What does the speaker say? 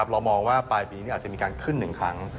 เรามองว่าปลายปีนี้อาจจะมีการขึ้น๑ครั้ง